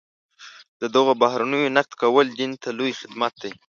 د دغو بهیرونو نقد کول دین ته لوی خدمت دی.